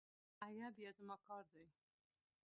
اگه بيا زما کار دی.